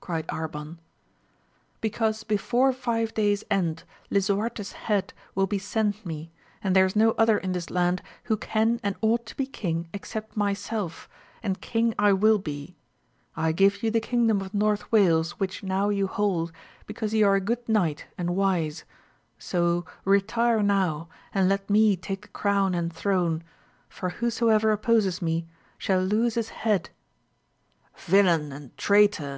cried ArbaiL Because before five days end Lisuarte's head will 1 sent me, and there is no other in this land who ca and ought to be king except myself, and king I wi be ! I give you the kingdom of North Wales whic now you hold, because you are a good knight an wise : so retire now, and let me take the crown an throne, for whosoever opposes me shall lose his hea< Villain and traitor